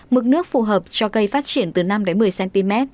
mức nước phù hợp cho cây phát triển từ năm một mươi cm